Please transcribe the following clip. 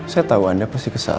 saya tahu anda pasti kesal